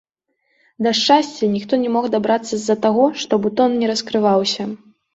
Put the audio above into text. Да шчасця ніхто не мог дабрацца з-за таго, што бутон не раскрываўся.